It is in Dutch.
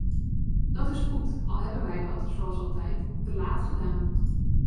Dat is goed, al hebben wij dat, zoals altijd, te laat gedaan.